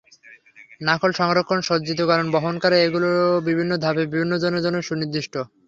নাখল সংরক্ষণ, সজ্জিতকরণ, বহন করা এগুলো বিভিন্ন ধাপে বিভিন্ন জনের জন্য সুনির্দিষ্ট।